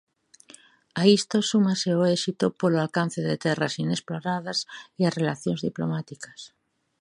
A isto súmase o éxito polo alcance de terras inexploradas e as relacións diplomáticas.